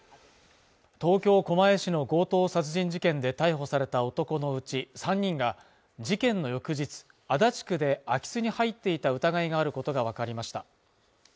東京狛江市の強盗殺人事件で逮捕された男のうち３人が事件の翌日、足立区で空き巣に入っていた疑いがあることがわかりました。